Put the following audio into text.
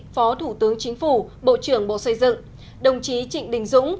phó thủ tướng chính phủ bộ trưởng bộ xây dựng đồng chí trịnh đình dũng